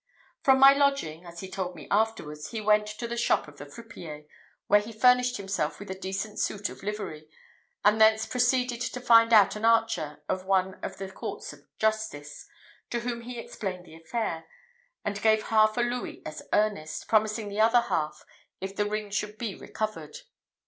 From my lodging, as he told me afterwards, he went to the shop of a fripier, where he furnished himself with a decent suit of livery, and thence proceeded to find out an archer of one of the courts of justice, to whom he explained the affair, and gave half a louis as earnest, promising the other half if the ring should be recovered.